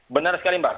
benar sekali mbak